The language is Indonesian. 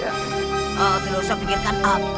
tidak usah pikirkan apa